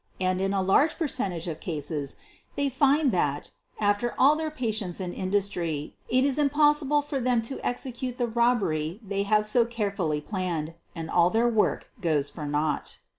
and, in a large percentage of cases, they find that, after all their patience and industry, it is impossible for them to execute the robbery they have so carefully planned and all their work goes for nought.